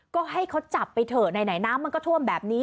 ก็ให้เขาจับไปเถอะไหนน้ำมันก็ท่วมแบบนี้